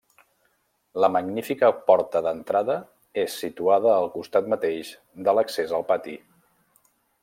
La magnífica porta d'entrada és situada al costat mateix de l'accés al pati.